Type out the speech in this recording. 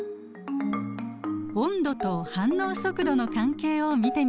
温度と反応速度の関係を見てみましょう。